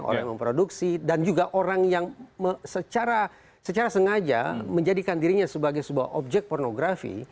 orang yang memproduksi dan juga orang yang secara sengaja menjadikan dirinya sebagai sebuah objek pornografi